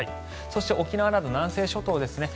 そして沖縄など南西諸島ですね